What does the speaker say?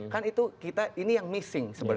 kan itu kita ini yang missing sebenarnya